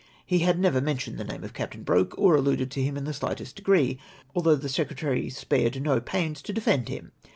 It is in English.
He had never mentioned the name of Captain Broke or alluded to him in the slightest degree, although the secretary had spared no pains to defend him.